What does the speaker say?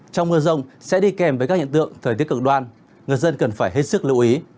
trong mưa rông sẽ đi kèm với các hiện tượng thời tiết cực đoan người dân cần phải hết sức lưu ý